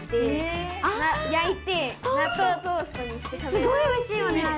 すごいおいしいよねあれ！